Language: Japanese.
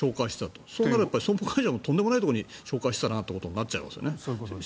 となると損保会社もとんでもないところに紹介したということになっちゃいますね。